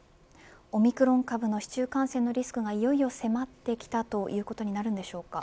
オミクロン株の市中感染のリスクがいよいよ迫ってきたということになるんでしょうか。